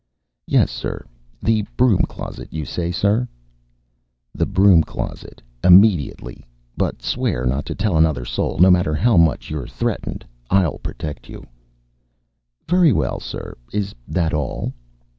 "Yes, sir. The broom closet, you say, sir?" "The broom closet. Immediately. But swear not to tell another soul, no matter how much you're threatened. I'll protect you." "Very well, sir. Is that all?"